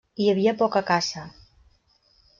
Hi havia poca caça.